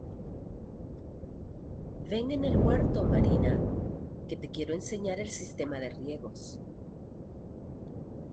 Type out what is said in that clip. Ven en el huerto, Marina, que te quiero enseñar el sistema de riegos.